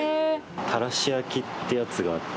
たらし焼きってやつがあって。